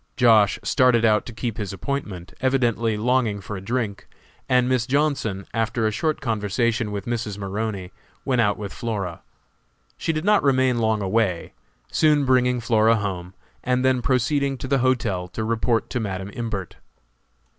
Josh. started out to keep his appointment, evidently longing for a drink, and Miss Johnson, after a short conversation with Mrs. Maroney, went out with Flora. She did not remain long away, soon bringing Flora home, and then proceeding to the hotel to report to Madam Imbert.